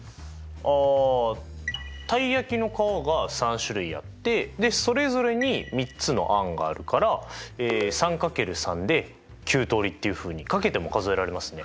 ああたい焼きの皮が３種類あってそれぞれに３つの餡があるからっていうふうにかけても数えられますね。